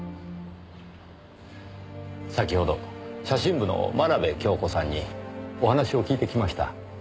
先ほど写真部の真鍋恭子さんにお話を聞いてきました。